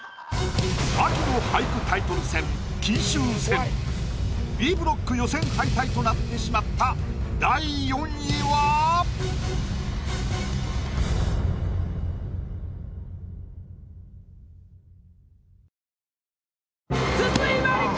秋の俳句タイトル戦金秋戦Ｂブロック予選敗退となってしまった第４位は⁉筒井真理子！